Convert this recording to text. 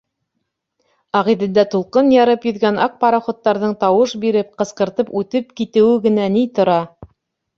Ағиҙелдә тулҡын ярып йөҙгән аҡ пароходтарҙың тауыш биреп, ҡысҡыртып үтеп китеүе генә ни тора!